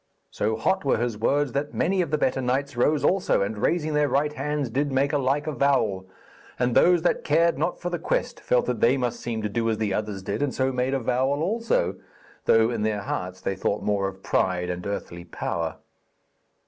So hot were his words that many of the better knights rose also, and raising their right hands did make a like avowal; and those that cared not for the quest felt that they must seem to do as the others did, and so made avowal also, though in their hearts they thought more of pride and earthly power.